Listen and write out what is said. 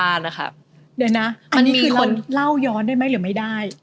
อันนี้คือคนเล่าย้อนได้ไหมหรือไม่ได้